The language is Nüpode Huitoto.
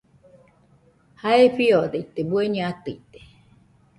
Jae fiodaite bueñe atɨite